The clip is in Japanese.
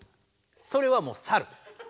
それはもう「サル」。